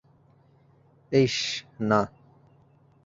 এইস, না!